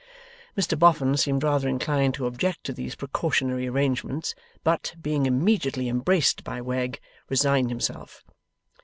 Mr Boffin seemed rather inclined to object to these precautionary arrangements, but, being immediately embraced by Wegg, resigned himself.